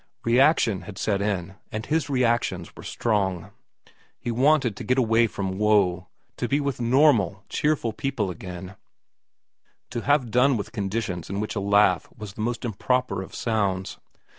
Reaction had set in, and his reactions were strong. He wanted to get away from woe, to be with normal, cheerful people again, to have done with conditions in which a laugh was the most improper of sounds.